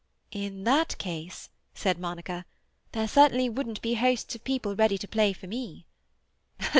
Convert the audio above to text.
"In that case," said Monica, "there certainly wouldn't be hosts of people ready to play for me."